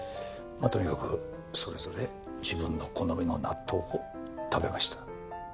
まあとにかくそれぞれ自分の好みの納豆を食べました。